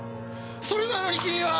それなのに君は！